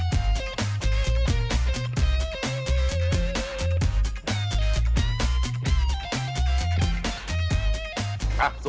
ไม่รอชาติเดี๋ยวเราลงไปพิสูจน์ความอร่อยกันครับ